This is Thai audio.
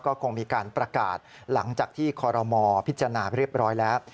ก็คงมีการประกาศหลังจากที่คอรมอพิจารณาเรียบร้อยแล้ว